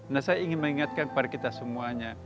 nah saya ingin mengingatkan kepada kita semuanya